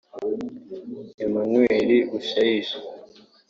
Emmanuel Bushayija